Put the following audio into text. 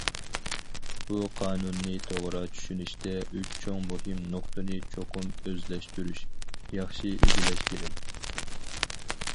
بۇ قانۇننى توغرا چۈشىنىشتە ئۈچ چوڭ مۇھىم نۇقتىنى چوقۇم ئۆزلەشتۈرۈش، ياخشى ئىگىلەش كېرەك.